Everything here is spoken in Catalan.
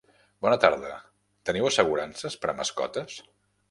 Bona tarda, teniu assegurances per a mascotes?